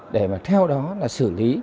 để mà theo đó là xử lý